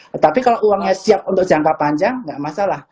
tetapi kalau uangnya siap untuk jangka panjang nggak masalah